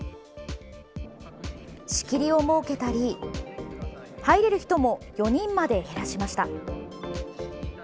仕切りを設けたり、入れる人も４人まで減らしました。